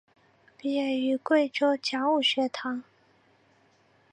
毕业于贵州讲武学堂。